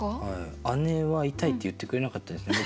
姉は「イタイッ」って言ってくれなかったですね。